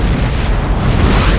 tidak ada yang lebih sakti dariku